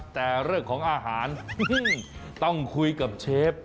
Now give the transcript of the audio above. แต่เรื่องของอาหารต้องคุยกับเชฟ